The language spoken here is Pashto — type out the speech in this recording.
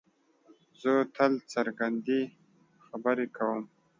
زه تل څرګندې خبرې کوم.